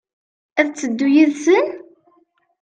Ad d-teddu yid-sen?